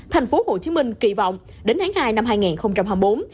tp hcm kỳ vọng đến tháng hai năm hai nghìn hai mươi bốn